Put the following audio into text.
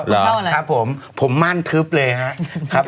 เหรอครับผมผมมั่นทึบเลยครับ